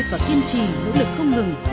và kiên trì nỗ lực không ngừng